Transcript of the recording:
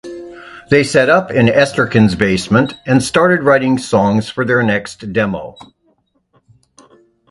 They set up in Esterkyn's basement, and started writing songs for their next demo.